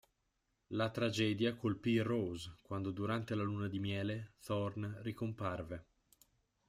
La tragedia colpì Rose, quando, durante la luna di miele, Thorn ricomparve.